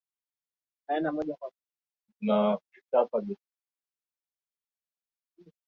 Kaka naomba, kubarikiwa nawe.